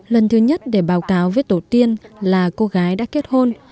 lần thứ nhất để báo cáo với tổ tiên là cô gái đã kết hôn